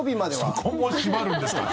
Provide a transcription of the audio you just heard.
そこもしばるんですか。